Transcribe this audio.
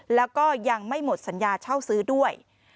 แล้วก็ยังไม่หมดสัญญาเช่าซื้อด้วย